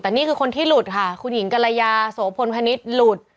แต่นี่คือคนที่หลุดค่ะคุณหญิงกรยาโสพลพนิษฐ์หลุด